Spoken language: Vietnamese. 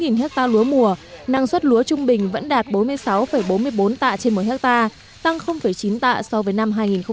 năm hectare lúa mùa năng suất lúa trung bình vẫn đạt bốn mươi sáu bốn mươi bốn tạ trên một hectare tăng chín tạ so với năm hai nghìn một mươi bảy